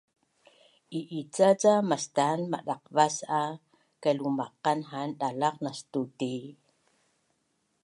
I’ica ca mastan madaqvas a kailumaqan han dalaq nastu’ti’?